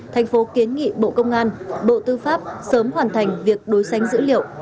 thành phố kiến nghị bộ công an bộ tư pháp sớm hoàn thành việc đối sánh dữ liệu